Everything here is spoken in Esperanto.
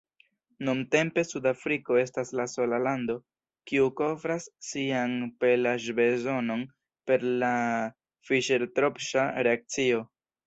Nuntempe Sudafriko estas la sola lando, kiu kovras sian pelaĵ-bezonon per la Fiŝer-Tropŝa reakcio.